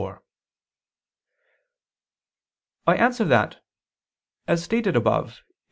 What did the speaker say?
I answer that, As stated above (Q.